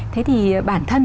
thế thì bản thân